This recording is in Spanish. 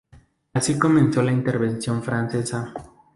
Así comenzó la Intervención Francesa.